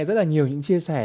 rất là nhiều những chia sẻ